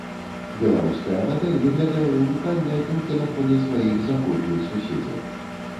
Беларуская мадэль выглядае ўнікальнай толькі на фоне сваіх заходніх суседзяў.